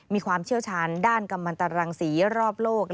มีความเชี่ยวชาญด้านกำมันตรังศรีรอบโลก